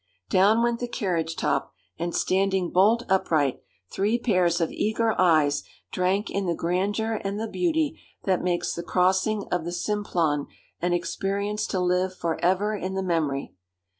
Down went the carriage top, and standing bolt upright, three pairs of eager eyes drank in the grandeur and the beauty that makes the crossing of the Simplon an experience to live for ever in the memory.